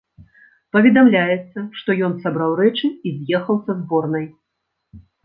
Паведамляецца, што ён сабраў рэчы і з'ехаў са зборнай.